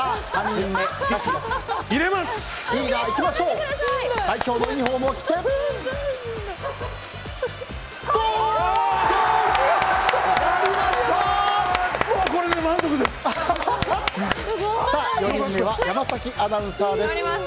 ４人目は山崎アナウンサーです。